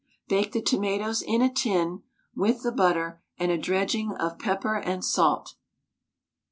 Bake the tomatoes in a tin with the butter and a dredging of pepper and salt.